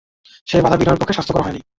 সেই বাধা বিনয়ের পক্ষে স্বাস্থ্যকর হয় নাই।